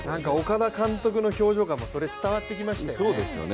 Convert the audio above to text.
岡田監督の表情からもそれが伝わってきましたよね。